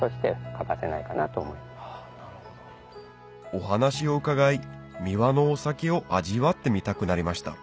お話を伺い三輪のお酒を味わってみたくなりました